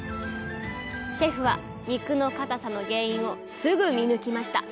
シェフは肉のかたさの原因をすぐ見抜きました。